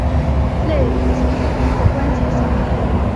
肋与脊柱通过关节相连。